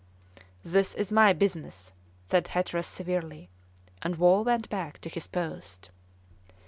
"That is my business," said Hatteras severely, and Wall went back to his post.